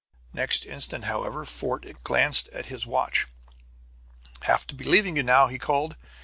Next instant, however, Fort glanced at his watch. "Have to be leaving you now," he called.